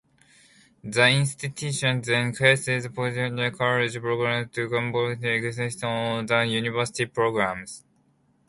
The institution then ceased providing college programs to concentrate exclusively on the university programs.